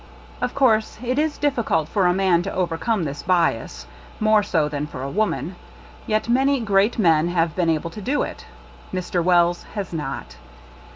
Of course it is difficult for a man to overcome this bias, more so than for a woman ; yet many great men have been able to do it. Mr. Wells has not.